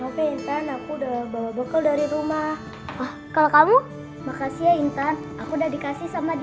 aku udah bawa buckle dari rumah kalau kamu makasih ya intan aku udah dikasih sama dia